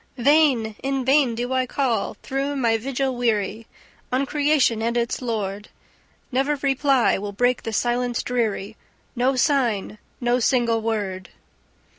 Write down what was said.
"Vain! In vain do I call, through my vigil weary, On creation and its Lord! Never reply will break the silence dreary! No sign! No single word!"